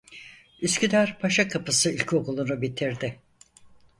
Üsküdar Paşakapısı İlkokulu'nu bitirdi.